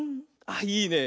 あっいいね。